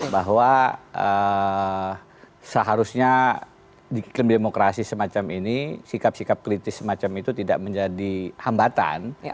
bahwa seharusnya di klim demokrasi semacam ini sikap sikap kritis semacam itu tidak menjadi hambatan